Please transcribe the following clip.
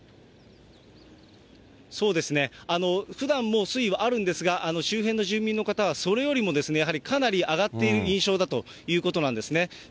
そうですね、ふだんも水位はあるんですが、周辺の住民の方は、それよりもやはりかなり上がっている印象だということなんですね。